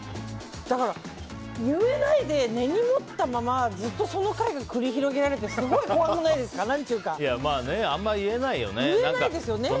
言えないで根に持ったままずっとその回が繰り広げられるってあんまり言えないですよね。